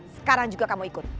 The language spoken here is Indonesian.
sekarang juga kamu ikut